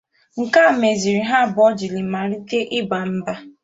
Nke a mezịrị ha abụọ jiri malite ịba mba